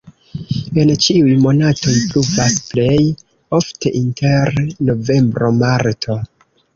En ĉiuj monatoj pluvas, plej ofte inter novembro-marto.